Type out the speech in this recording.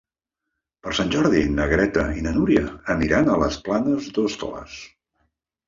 Per Sant Jordi na Greta i na Núria aniran a les Planes d'Hostoles.